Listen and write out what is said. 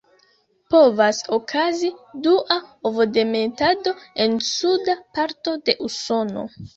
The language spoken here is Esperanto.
Povas okazi dua ovodemetado en suda parto de Usono.